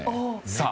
さあ。